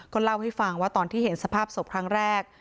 เล่าให้ฟังว่าตอนที่เห็นสภาพศพครั้งแรก